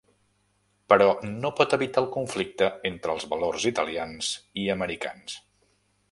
Però no pot evitar el conflicte entre els valors italians i americans.